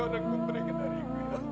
jangan konegut mereka dariku ya